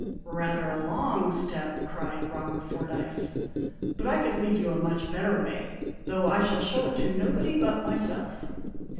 "Rather a long step!" cried Robert Fordyce. "But I could lead you a much better way, though I shall show it to nobody but myself."